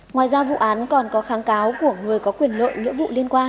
ngoài ra vụ án còn có kháng cáo của người có quyền lợi nghĩa vụ liên quan